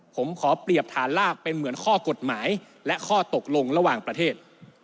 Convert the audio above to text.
ผมขอเปรียบฐานลากเป็นเหมือนข้อกฎหมายและข้อตกลงระหว่างประเทศ